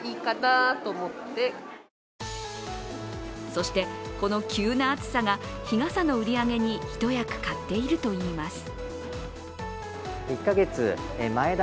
そして、この急な暑さが日傘の売り上げに一役買っているといいます。